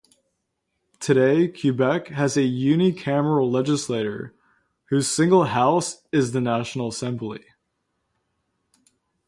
Today Quebec has a unicameral legislature, whose single house is the National Assembly.